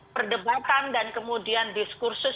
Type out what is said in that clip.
perdebatan dan kemudian diskursus